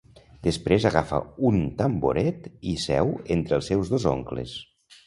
Després agafa un tamboret i seu entre els seus dos oncles.